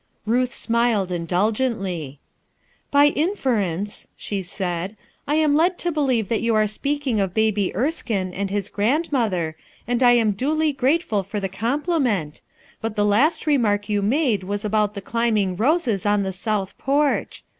Ruth smiled indulgently. "By inference," she said, " I am led to believe that you are speaking of Baby Erskine and his grandmother, and am duly grateful for the com pliment, but the last remark you made was about the climbing roses on the south porch.